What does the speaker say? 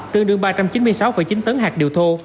tương đương ba trăm chín mươi sáu chín tấn hạt điều thô